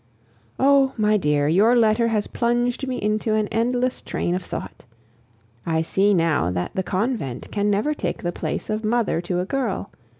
Oh! my dear, your letter has plunged me into an endless train of thought. I see now that the convent can never take the place of mother to a girl.